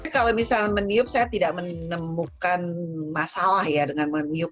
kalau misalnya meniup saya tidak menemukan masalah ya dengan meniup